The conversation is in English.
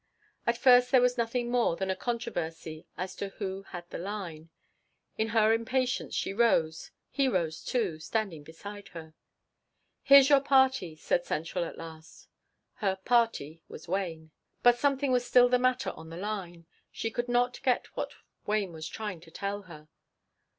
At first there was nothing more than a controversy as to who had the line. In her impatience, she rose; he rose, too, standing beside her. "Here's your party," said central at last. Her "party" was Wayne. But something was still the matter on the line; she could not get what Wayne was trying to tell her.